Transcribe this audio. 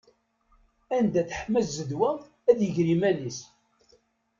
Anda teḥma zzedwa ad iger iman-is.